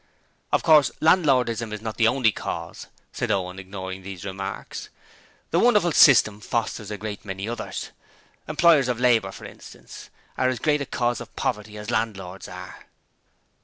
'Of course, Landlordism is not the only cause,' said Owen, ignoring these remarks. 'The wonderful system fosters a great many others. Employers of labour, for instance, are as great a cause of poverty as landlords are.'